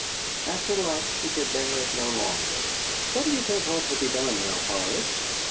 After lunch she could bear it no longer. "What do you think ought to be done now, Horace?"